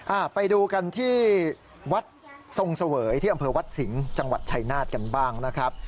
อ่าไปดูกันที่วัดทรงเสวยที่อำเภอวัดสิงห์จังหวัดชายนาฏกันบ้างนะครับ